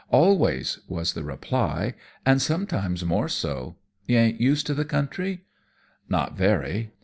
"Always," was the reply, "and sometimes more so. You ain't used to the country?" "Not very.